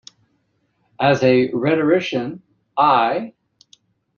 As a rhetorician, I.